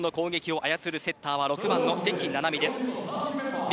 そして日本の攻撃を操るセッターは６番の関菜々巳です。